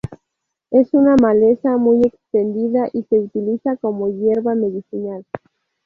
Es una maleza muy extendida y se utiliza como hierba medicinal.